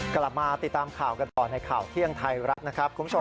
กลับมาติดตามข่าวกันต่อในข่าวเที่ยงไทยรัฐนะครับคุณผู้ชม